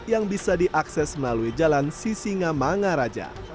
yang bisa diakses melalui jalan sisinga mangaraja